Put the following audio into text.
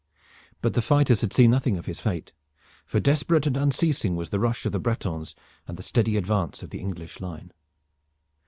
But the fighters had seen nothing of his fate, for desperate and unceasing was the rush of the Bretons and the steady advance of the English line.